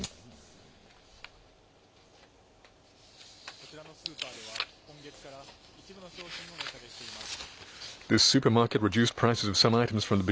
こちらのスーパーでは、今月から一部の商品を値下げしています。